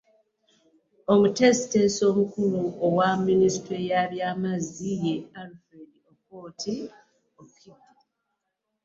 Omuteesiteesi omukulu owa Minisitule y'ebyamazzi, ye Alfred Okot Okidi